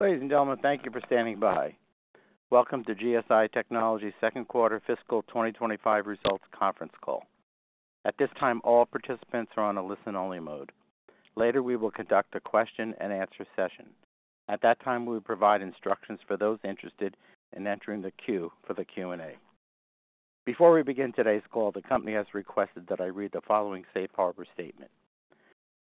Ladies and gentlemen, thank you for standing by. Welcome to GSI Technology's second quarter fiscal 2025 results conference call. At this time, all participants are on a listen-only mode. Later, we will conduct a question-and-answer session. At that time, we will provide instructions for those interested in entering the queue for the Q&A. Before we begin today's call, the company has requested that I read the following safe harbor statement.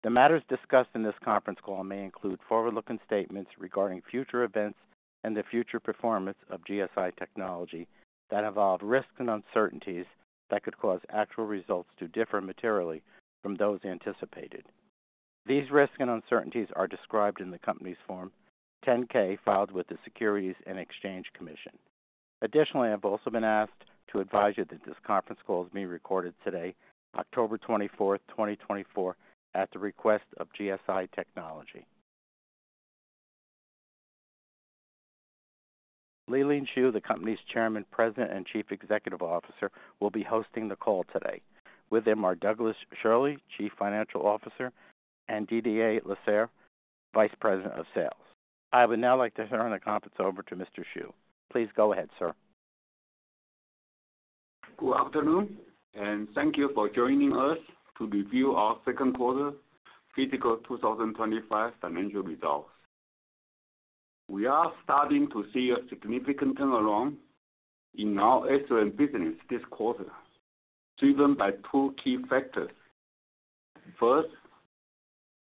The matters discussed in this conference call may include forward-looking statements regarding future events and the future performance of GSI Technology, that involve risks and uncertainties that could cause actual results to differ materially from those anticipated. These risks and uncertainties are described in the company's Form 10-K filed with the Securities and Exchange Commission. Additionally, I've also been asked to advise you that this conference call is being recorded today, October twenty-fourth, twenty twenty-four, at the request of GSI Technology. Lee-Lean Shu, the company's Chairman, President, and Chief Executive Officer, will be hosting the call today. With him are Douglas Schirle, Chief Financial Officer, and Didier Lasserre, Vice President of Sales. I would now like to turn the conference over to Mr. Shu. Please go ahead, sir. Good afternoon, and thank you for joining us to review our second quarter fiscal 2025 financial results. We are starting to see a significant turnaround in our SRAM business this quarter, driven by two key factors. First,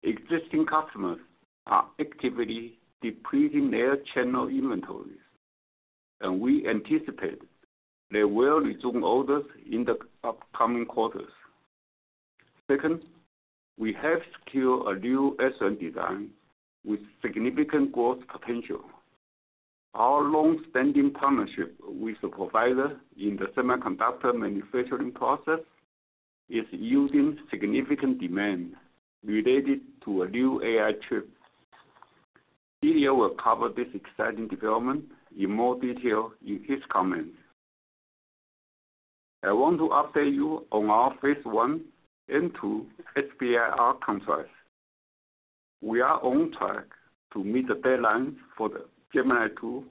existing customers are actively depleting their channel inventories, and we anticipate they will resume orders in the upcoming quarters. Second, we have secured a new SRAM design with significant growth potential. Our long-standing partnership with the provider in the semiconductor manufacturing process is yielding significant demand related to a new AI chip. Didier will cover this exciting development in more detail in his comments. I want to update you on our Phase I and II SBIR contracts. We are on track to meet the deadlines for the Gemini-II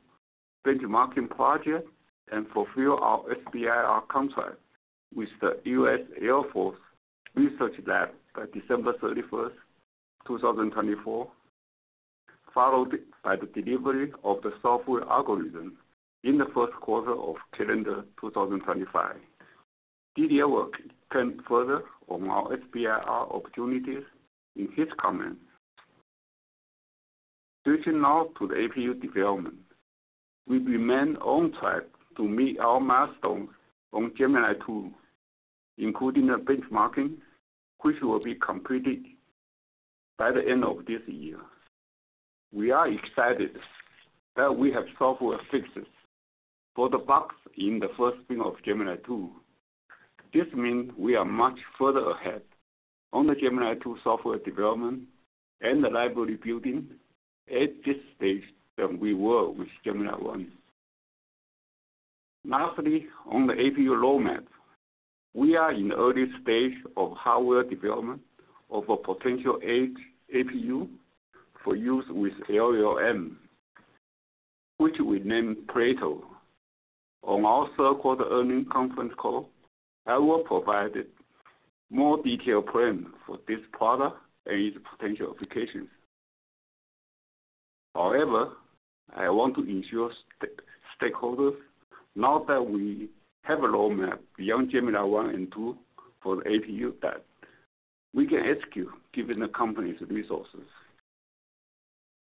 benchmarking project and fulfill our SBIR contract with the U.S. Air Force Research Lab by December thirty-first, two thousand and twenty-four, followed by the delivery of the software algorithm in the first quarter of calendar two thousand and twenty-five. Didier will comment further on our SBIR opportunities in his comments. Switching now to the APU development. We remain on track to meet our milestones on Gemini-II, including the benchmarking, which will be completed by the end of this year. We are excited that we have software fixes for the bugs in the first bin of Gemini-II. This means we are much further ahead on the Gemini-II software development and the library building at this stage than we were with Gemini-I. Lastly, on the APU roadmap, we are in early stage of hardware development of a potential edge APU for use with LLM, which we named Plato. On our third quarter earnings conference call, I will provide more detailed plans for this product and its potential applications. However, I want to ensure stakeholders know that we have a roadmap beyond Gemini-I and II for the APU, that we can execute given the company's resources.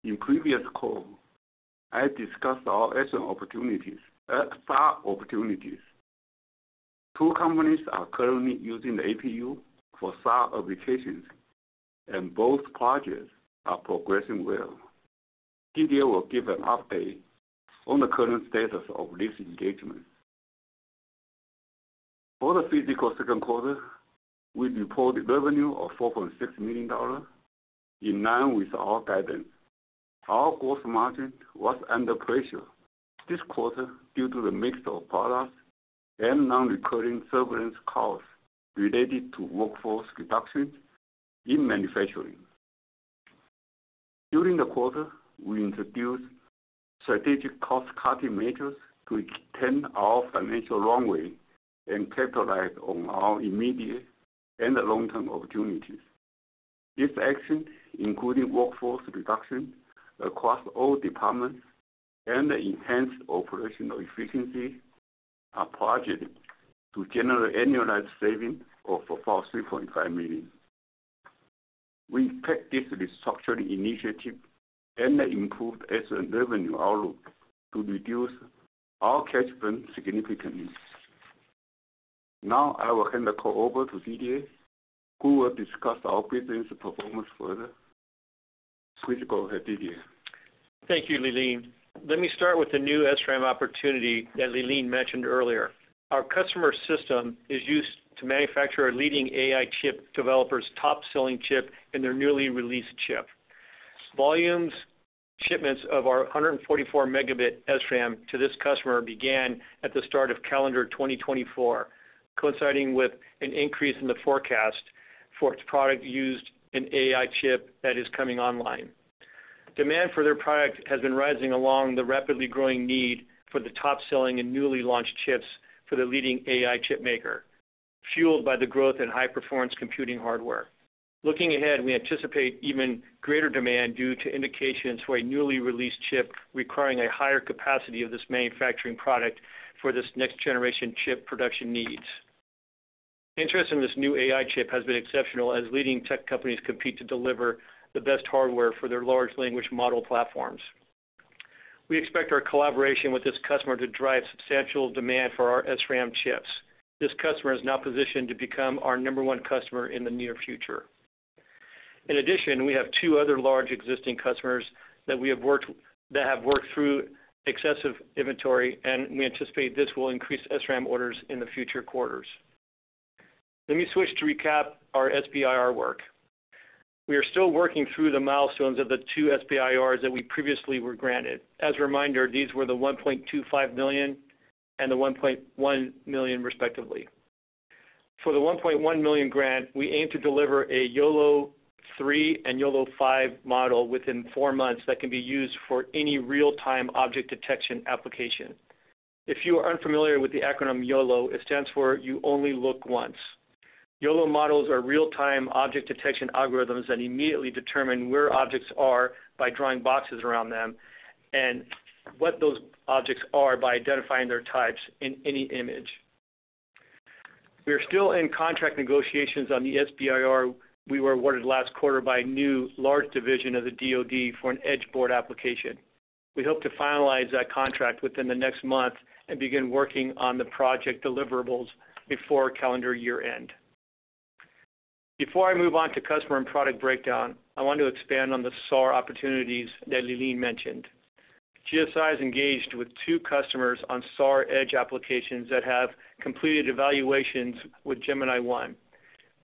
In previous call, I discussed our SRAM opportunities, SAR opportunities. Two companies are currently using the APU for SAR applications, and both projects are progressing well. Didier will give an update on the current status of this engagement. For the fiscal second quarter, we reported revenue of $4.6 million, in line with our guidance. Our gross margin was under pressure this quarter due to the mix of products and non-recurring severance costs related to workforce reductions in manufacturing. During the quarter, we introduced strategic cost-cutting measures to extend our financial runway and capitalize on our immediate and long-term opportunities. This action, including workforce reduction across all departments and enhanced operational efficiency, are projected to generate annualized savings of about $3.5 million. We expect this restructuring initiative and improved SRAM revenue outlook to reduce our cash burn significantly. Now I will hand the call over to Didier, who will discuss our business performance further. Please go ahead, Didier. Thank you, Lee-Lean. Let me start with the new SRAM opportunity that Lee-Lean mentioned earlier. Our customer system is used to manufacture a leading AI chip developer's top-selling chip and their newly released chip. Volume shipments of our 144-megabit SRAM to this customer began at the start of calendar 2024, coinciding with an increase in the forecast for its product used in AI chip that is coming online. Demand for their product has been rising along the rapidly growing need for the top-selling and newly launched chips for the leading AI chip maker, fueled by the growth in high-performance computing hardware. Looking ahead, we anticipate even greater demand due to indications for a newly released chip requiring a higher capacity of this manufacturing product for this next-generation chip production needs. Interest in this new AI chip has been exceptional as leading tech companies compete to deliver the best hardware for their large language model platforms. We expect our collaboration with this customer to drive substantial demand for our SRAM chips. This customer is now positioned to become our number one customer in the near future. In addition, we have two other large existing customers that have worked through excessive inventory, and we anticipate this will increase SRAM orders in the future quarters. Let me switch to recap our SBIR work. We are still working through the milestones of the two SBIRs that we previously were granted. As a reminder, these were the $1.25 million and the $1.1 million, respectively. For the $1.1 million grant, we aim to deliver a YOLOv3 and YOLOv5 model within four months that can be used for any real-time object detection application. If you are unfamiliar with the acronym YOLO, it stands for You Only Look Once. YOLO models are real-time object detection algorithms that immediately determine where objects are by drawing boxes around them, and what those objects are by identifying their types in any image. We are still in contract negotiations on the SBIR we were awarded last quarter by a new large division of the DoD for an edge board application. We hope to finalize that contract within the next month and begin working on the project deliverables before calendar year end. Before I move on to customer and product breakdown, I want to expand on the SAR opportunities that Lee-Lean mentioned. GSI is engaged with two customers on SAR edge applications that have completed evaluations with Gemini-I.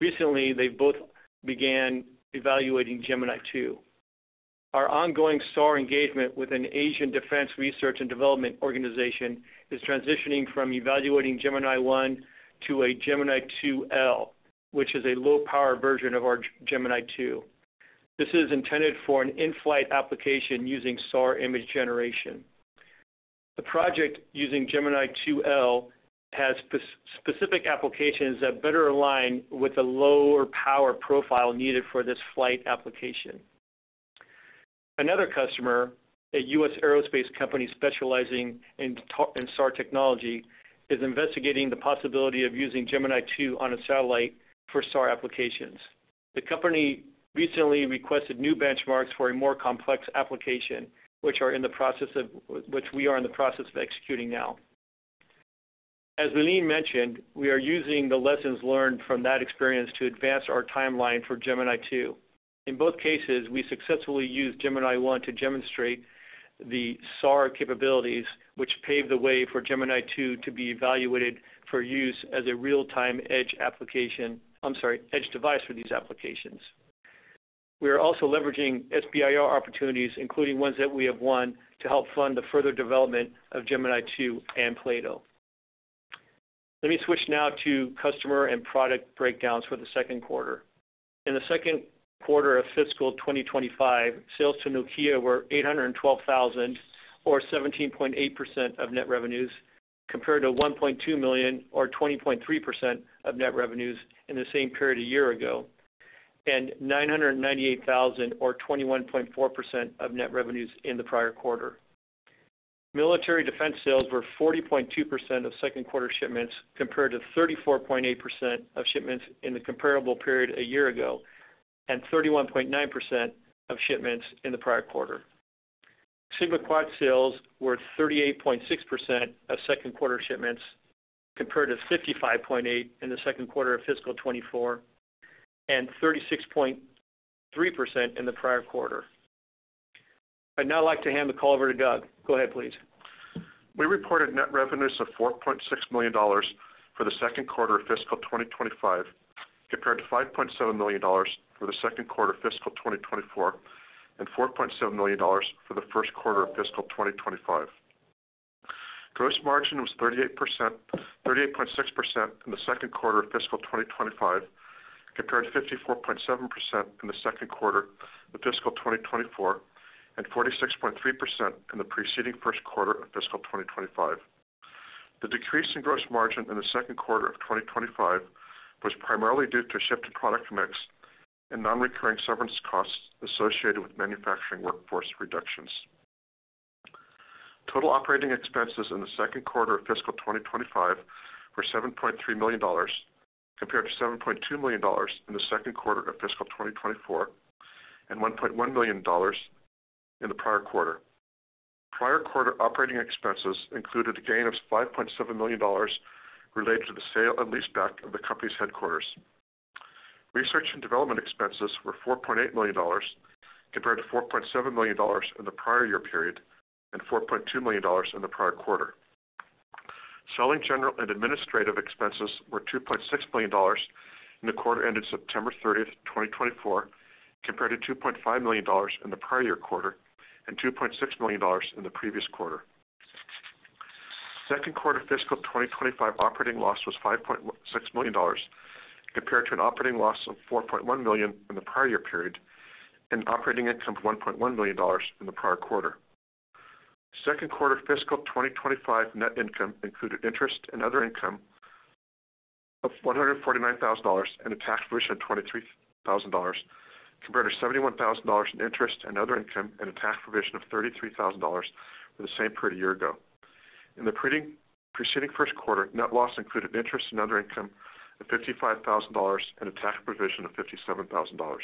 Recently, they both began evaluating Gemini-II. Our ongoing SAR engagement with an Asian defense research and development organization is transitioning from evaluating Gemini-I to a Gemini-II L, which is a low-power version of our Gemini-II. This is intended for an in-flight application using SAR image generation. The project, using Gemini-II L, has spec-specific applications that better align with the lower power profile needed for this flight application. Another customer, a U.S. aerospace company specializing in SAR technology, is investigating the possibility of using Gemini-II on a satellite for SAR applications. The company recently requested new benchmarks for a more complex application, which we are in the process of executing now. As Lee-Lean mentioned, we are using the lessons learned from that experience to advance our timeline for Gemini-II. In both cases, we successfully used Gemini-I to demonstrate the SAR capabilities, which paved the way for Gemini-II to be evaluated for use as a real-time edge application... I'm sorry, edge device for these applications. We are also leveraging SBIR opportunities, including ones that we have won, to help fund the further development of Gemini-II and Plato. Let me switch now to customer and product breakdowns for the second quarter. In the second quarter of fiscal 2025, sales to Nokia were $812,000, or 17.8% of net revenues, compared to $1.2 million, or 20.3% of net revenues in the same period a year ago, and $998,000, or 21.4% of net revenues in the prior quarter. Military defense sales were 40.2% of second quarter shipments, compared to 34.8% of shipments in the comparable period a year ago, and 31.9% of shipments in the prior quarter. SigmaQuad sales were 38.6% of second quarter shipments, compared to 55.8% in the second quarter of fiscal 2024, and 36.3% in the prior quarter. I'd now like to hand the call over to Doug. Go ahead, please. We reported net revenues of $4.6 million for the second quarter of fiscal 2025, compared to $5.7 million for the second quarter of fiscal 2024, and $4.7 million for the first quarter of fiscal 2025. Gross margin was 38%, 38.6% in the second quarter of fiscal 2025, compared to 54.7% in the second quarter of fiscal 2024, and 46.3% in the preceding first quarter of fiscal 2025. The decrease in gross margin in the second quarter of 2025 was primarily due to a shift in product mix and non-recurring severance costs associated with manufacturing workforce reductions. Total operating expenses in the second quarter of fiscal 2025 were $7.3 million, compared to $7.2 million in the second quarter of fiscal 2024, and $1.1 million in the prior quarter. Prior quarter operating expenses included a gain of $5.7 million related to the sale and leaseback of the company's headquarters. Research and development expenses were $4.8 million, compared to $4.7 million in the prior year period and $4.2 million in the prior quarter. Selling, general, and administrative expenses were $2.6 million in the quarter ended September thirtieth, 2024, compared to $2.5 million in the prior year quarter and $2.6 million in the previous quarter. Second quarter fiscal 2025 operating loss was $5.6 million, compared to an operating loss of $4.1 million in the prior year period, and operating income of $1.1 million in the prior quarter. Second quarter fiscal 2025 net income included interest and other income of $149,000 and a tax provision of $23,000, compared to $71,000 in interest and other income and a tax provision of $33,000 for the same period a year ago. In the preceding first quarter, net loss included interest and other income of $55,000 and a tax provision of $57,000.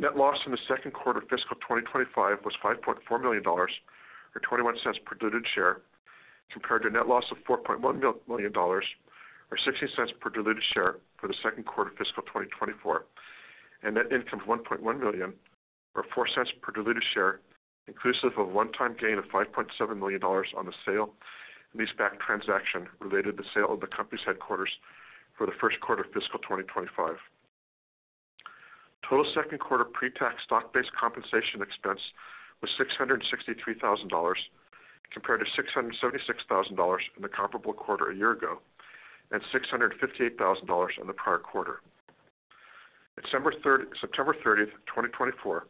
Net loss in the second quarter of fiscal 2025 was $5.4 million, or $0.21 per diluted share, compared to net loss of $4.1 million, or $0.16 per diluted share for the second quarter of fiscal 2024, and net income of $1.1 million, or $0.04 per diluted share, inclusive of a one-time gain of $5.7 million on the sale and leaseback transaction related to the sale of the company's headquarters for the first quarter of fiscal 2025. Total second quarter pre-tax stock-based compensation expense was $663,000, compared to $676,000 in the comparable quarter a year ago, and $658,000 in the prior quarter. September thirtieth, 2024,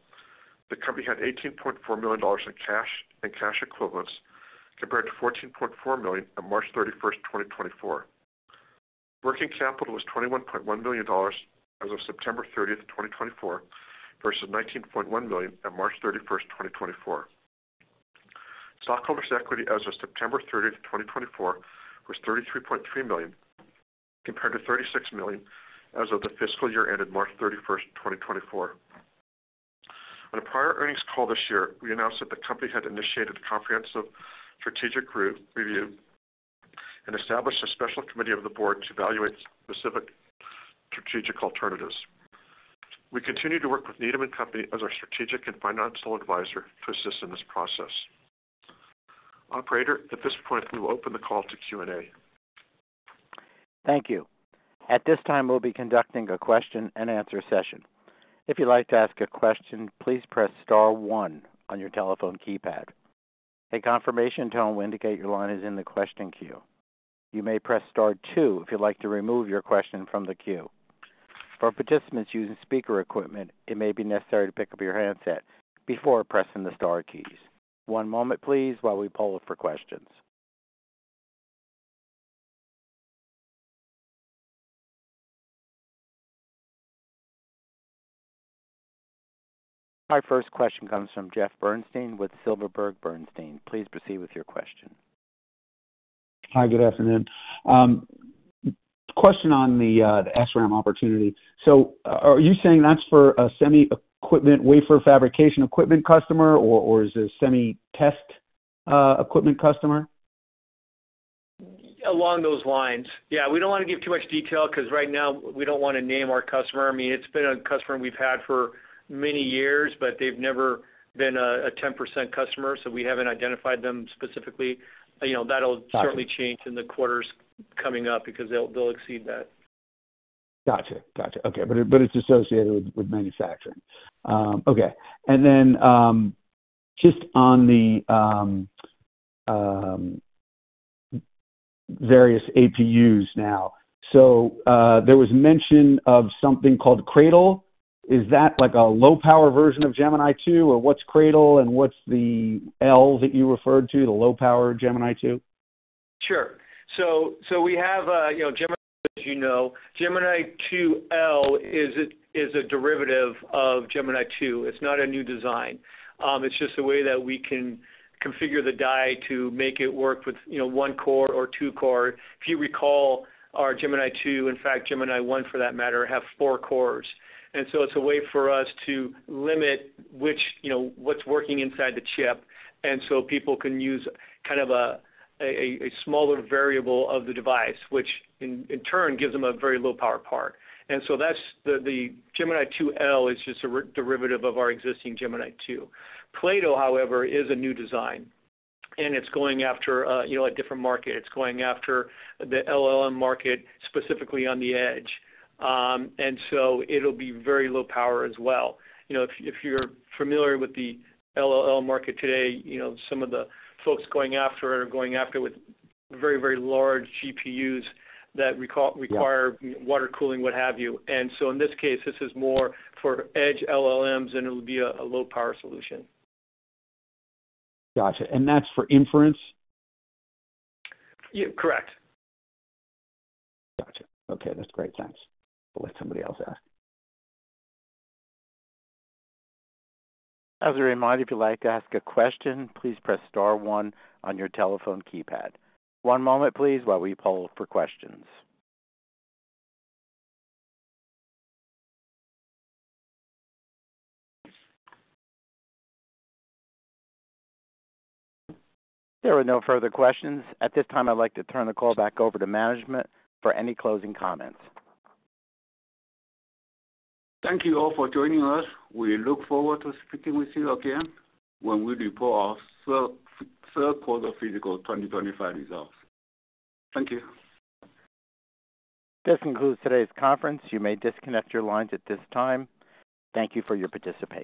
the company had $18.4 million in cash and cash equivalents, compared to $14.4 million on March thirty-first, 2024. Working capital was $21.1 million as of September thirtieth, 2024, versus $19.1 million on March thirty-first, 2024. Stockholders' equity as of September thirtieth, 2024, was $33.3 million, compared to $36 million as of the fiscal year ended March thirty-first, 2024. On a prior earnings call this year, we announced that the company had initiated a comprehensive strategic review and established a special committee of the board to evaluate specific strategic alternatives. We continue to work with Needham and Company as our strategic and financial advisor to assist in this process. Operator, at this point, we will open the call to Q&A. Thank you. At this time, we'll be conducting a question and answer session. If you'd like to ask a question, please press star one on your telephone keypad. A confirmation tone will indicate your line is in the question queue. You may press star two if you'd like to remove your question from the queue. For participants using speaker equipment, it may be necessary to pick up your handset before pressing the star keys. One moment, please, while we poll for questions. Our first question comes from Jeff Bernstein with TD Cowen. Please proceed with your question. Hi, good afternoon. Question on the SRAM opportunity. So are you saying that's for a semi equipment, wafer fabrication equipment customer, or is it a semi test equipment customer? Along those lines. Yeah, we don't want to give too much detail because right now we don't want to name our customer. I mean, it's been a customer we've had for many years, but they've never been a 10% customer, so we haven't identified them specifically. You know, that'll- Gotcha. Certainly change in the quarters coming up because they'll exceed that. Gotcha. Gotcha. Okay. But it's associated with manufacturing. Okay. And then, just on the various APUs now, so, there was mention of something called Cradle. Is that like a low-power version of Gemini-II? Or what's Cradle and what's the L that you referred to, the low-power Gemini-II? Sure. We have, you know, Gemini, as you know. Gemini-II L is a derivative of Gemini-II. It's not a new design. It's just a way that we can configure the die to make it work with, you know, one core or two core. If you recall, our Gemini-II, in fact, Gemini-I, for that matter, have four cores. And so it's a way for us to limit which, you know, what's working inside the chip, and so people can use kind of a smaller variable of the device, which in turn gives them a very low-power part. And so that's the Gemini-II L. It is just a derivative of our existing Gemini-II. Plato, however, is a new design, and it's going after, you know, a different market. It's going after the LLM market, specifically on the edge. And so it'll be very low power as well. You know, if you're familiar with the LLM market today, you know, some of the folks going after are going after with very, very large GPUs that recau- require water cooling, what have you. And so in this case, this is more for edge LLMs, and it'll be a low-power solution. Gotcha. And that's for inference? Yeah, correct. Gotcha. Okay, that's great. Thanks. I'll let somebody else ask. As a reminder, if you'd like to ask a question, please press star one on your telephone keypad. One moment, please, while we poll for questions. There are no further questions. At this time, I'd like to turn the call back over to management for any closing comments. Thank you all for joining us. We look forward to speaking with you again when we report our third quarter fiscal twenty twenty-five results. Thank you. This concludes today's conference. You may disconnect your lines at this time. Thank you for your participation.